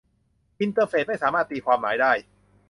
อินเตอร์เฟสไม่สามารถตีความหมายได้